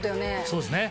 そうですね。